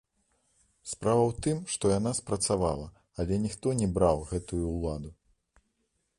Справа ў тым, што яна спрацавала, але ніхто не браў гэтую ўладу!